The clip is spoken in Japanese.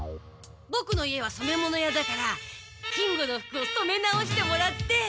ボクの家は染物屋だから金吾の服を染め直してもらって。